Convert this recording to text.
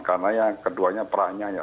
karena yang keduanya perahnya ya